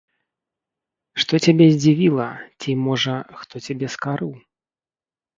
Што цябе здзівіла, ці, можа, хто цябе скарыў?